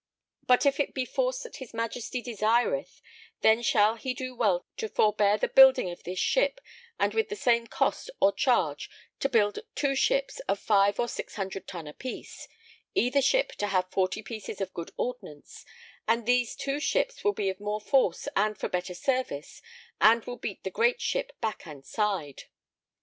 But if it be force that his Majesty desireth, then shall he do well to forbear the building of this ship, and with the same cost or charge to build two ships of 5 or 600 ton a piece, either ship to have 40 pieces of good ordnance, and these two ships will be of more force and for better service and will beat the great ship back and side.